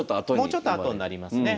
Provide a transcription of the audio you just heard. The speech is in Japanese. もうちょっと後になりますね。